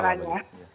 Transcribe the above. sudah ada pemasarannya